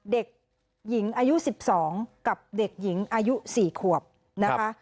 เด็กหญิงอายุ๑๒กับเด็กหญิงอายุ๔ขวบนะคะ